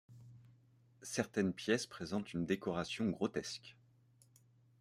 Certaines pièces présentent une décoration grotesque.